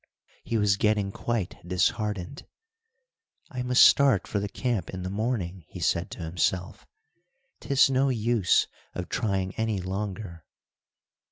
He was getting quite disheartened. "I must start for the camp in the morning," he said to himself, "'Tis no use of trying any longer."